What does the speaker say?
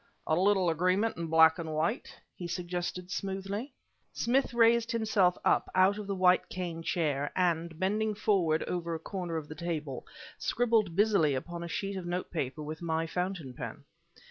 "A little agreement in black and white?" he suggested smoothly. Smith raised himself up out of the white cane chair, and, bending forward over a corner of the table, scribbled busily upon a sheet of notepaper with my fountain pen.